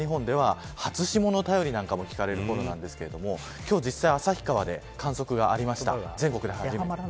山沿いとか北日本では初霜の便りなんかも聞かれることがあるんですが今日は実際、旭川で観測がありました。